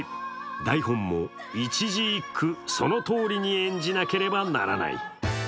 台本も一字一句そのとおりに演じなければならない。